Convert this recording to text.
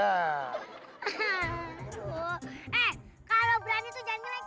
eh kalau berani itu jangan nilai